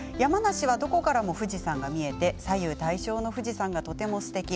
どこからも富士山が見えて左右対称の富士山がとてもすてき。